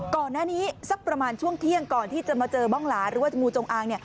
สักประมาณช่วงเที่ยงก่อนที่จะมาเจอบ้องหลาหรือว่างูจงอาง